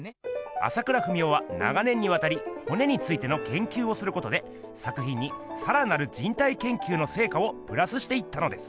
朝倉文夫は長年にわたり骨についてのけんきゅうをすることで作品にさらなる人体研究のせいかをプラスしていったのです。